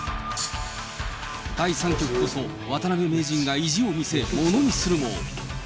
第三局こそ、渡辺名人が意地を見せ、ものにするも。